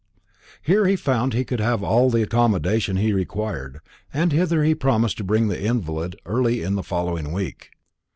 Here he found he could have all the accommodation he required, and hither he promised to bring the invalid early in the following week.